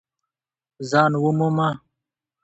ځان ومومه !